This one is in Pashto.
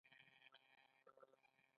د غوړیو ډوډۍ یا غوړي بسراق مشهور دي.